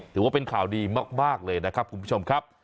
ถือว่าเป็นข่าวดีมากเลยนะครับคุณผู้ชมครับ